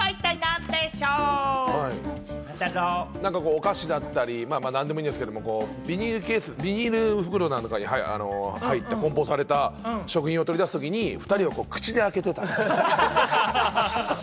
お菓子だったり、何でもいいんですけれど、ビニールケース、ビニールの袋なんかに入った梱包された食品を取り出すときに２人は口で開けていた。